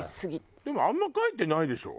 でもあんま書いてないでしょ？